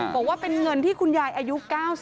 บอกว่าเป็นเงินที่คุณยายอายุ๙๐